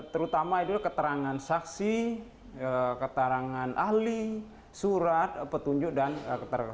terutama itu keterangan saksi keterangan ahli surat petunjuk dan keterangan